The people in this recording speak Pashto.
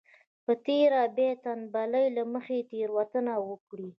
په تېره بيا د تنبلۍ له مخې تېروتنه وکړي.